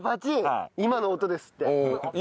今の音ですって。